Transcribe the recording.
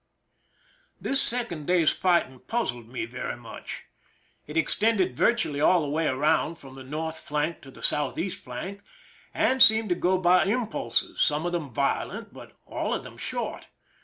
This second day's fighting puzzled me very much. It extended virtually aU the way around from the north flank to the southeast flank, and seemed to go by impulses, some of them violent, but all of them short.